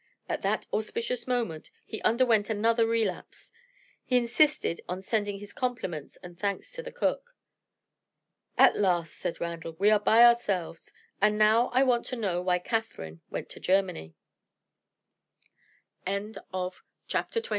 At that auspicious moment, he underwent another relapse. He insisted on sending his compliments and thanks to the cook. "At last," said Randal, "we are by ourselves and now I want to know why Catherine went to Germany." Chapter XXIX. Mr. Sarrazin.